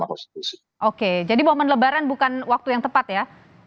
oke jadi momen lebaran bukan waktu yang tepat ya